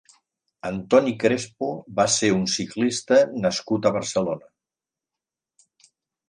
Antoni Crespo va ser un ciclista nascut a Barcelona.